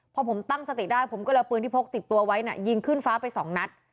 พอผมตั้งสติได้ผมก็เลยเอาปืนที่พกติดตัวไว้ยิงขึ้นฟ้าไปสองนัด